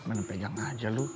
masih bicanda aja